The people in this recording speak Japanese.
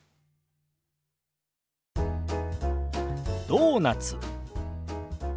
「ドーナツ」。